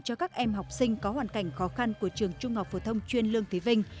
cho các em học sinh có hoàn cảnh khó khăn của trường trung học phổ thông chuyên lương thế vinh